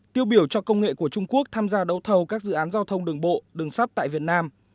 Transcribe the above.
tiêu biểu cho công nghệ của trung quốc tham gia đấu thầu các dự án giao thông đường bộ đường sắt tại việt nam